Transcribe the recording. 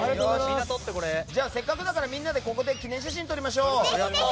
せっかくだからみんなでここで記念写真を撮りましょう。